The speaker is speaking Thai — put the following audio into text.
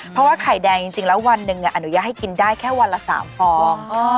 เพราะว่าไข่แดงจริงแล้ววันหนึ่งอนุญาตให้กินได้แค่วันละ๓ฟอง